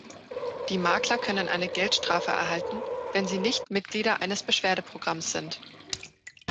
Die Makler können eine Geldstrafe erhalten, wenn sie nicht Mitglieder eines Beschwerdeprogramms sind.